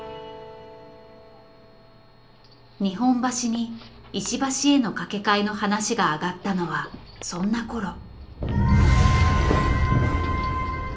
日本橋に石橋への架け替えの話が上がったのはそんな頃。